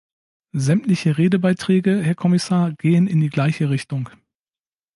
Sämtliche Redebeiträge, Herr Kommissar, gehen in die gleiche Richtung.